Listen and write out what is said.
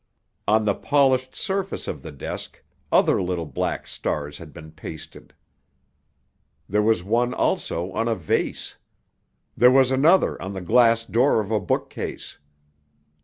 On the polished surface of the desk other little black stars had been pasted. There was one also on a vase. There was another on the glass door of a bookcase.